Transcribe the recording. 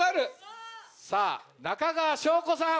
さぁ中川翔子さん。